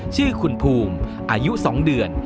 ชื่อคุณภูมิอายุ๒เดือน